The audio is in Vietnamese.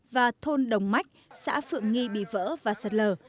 và thôn đồng mách xã phượng nghi bị vỡ và sạt lở